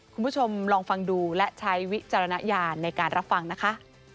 คุณผู้ชมลองฟังดูและใช้วิจารณญาณในการรับฟังนะคะ